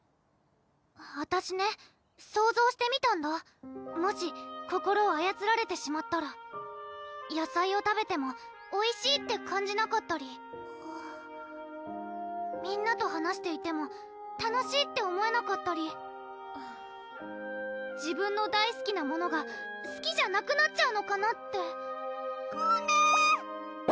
あたしね想像してみたんだもし心をあやつられてしまったら野菜を食べてもおいしいって感じなかったりみんなと話していても楽しいって思えなかったり自分の大すきなものがすきじゃなくなっちゃうのかなってコメ！